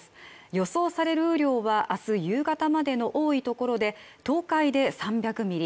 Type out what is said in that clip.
予想される雨量は明日夕方までの多いところで東海で３００ミリ